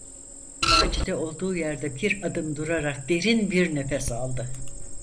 Macide olduğu yerde bir adım durarak derin bir nefes aldı.